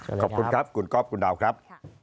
ขอบคุณครับคุณก๊อฟคุณดาวครับ